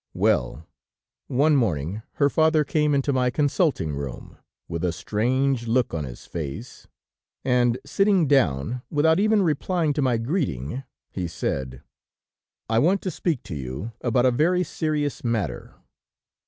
Well, one morning her father came into my consulting room, with a strange look on his face, and, sitting down, without even replying to my greeting, he said: "'I want to speak to you about a very serious matter....